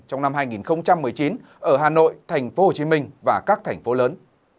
trong năm hai nghìn một mươi chín ở hà nội tp hcm và các thành phố lớn